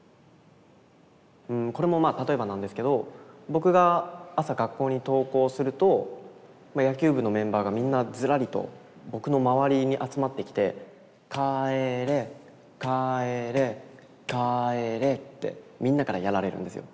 うんこれもまあ例えばなんですけど僕が朝学校に登校するとまあ野球部のメンバーがみんなずらりと僕の周りに集まってきて「帰れ帰れ帰れ」ってみんなからやられるんですよ。